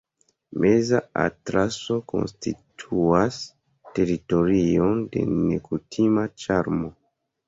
Meza Atlaso konstituas teritorion de nekutima ĉarmo.